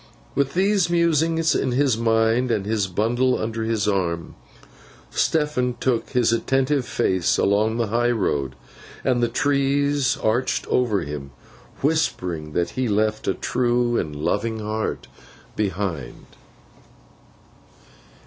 With these musings in his mind, and his bundle under his arm, Stephen took his attentive face along the high road. And the trees arched over him, whispering that he left a true and loving heart behind.